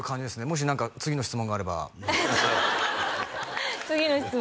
もし何か次の質問があればえっと